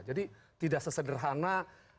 jadi tidak sesederhana